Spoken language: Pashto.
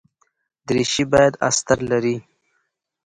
دریشي باید استر لري.